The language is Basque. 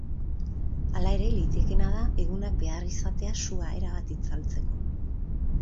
Hala ere, litekeena da egunak behar izatea sua erabat itzaltzeko.